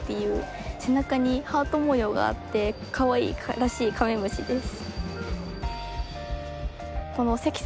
背中にハート模様があってかわいらしいカメムシです。